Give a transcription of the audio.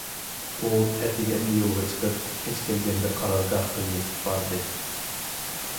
ئۇ ئەتىگەندە يولغا چىقىپ، كەچ كىرگەندە قارارگاھقا يېتىپ باردى.